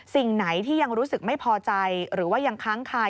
สิ่งไหนที่ยังรู้สึกไม่พอใจหรือว่ายังค้างคาย